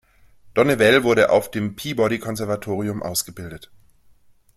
Don Ewell wurde auf dem Peabody-Konservatorium ausgebildet.